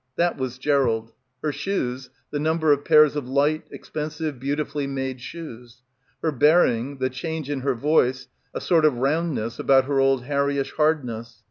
That was Gerald. Her shoes, the number of pairs of light, expensive, beautifully made shoes. Her bearing, the change in her voice, a sort of roundness about her old Harryish hardness.